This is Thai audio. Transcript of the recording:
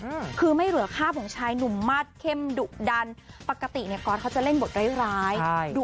อืมคือไม่เหลือคาบของชายหนุ่มมาสเข้มดุดันปกติเนี้ยก๊อตเขาจะเล่นบทร้ายร้ายใช่ดู